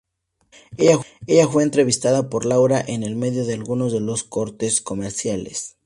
Ella fue entrevistada por Laura en el medio de algunos de los cortes comerciales.